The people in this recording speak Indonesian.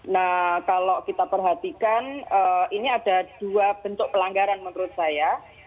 nah kalau kita perhatikan ini ada dua bentuk pelanggaran menurut saya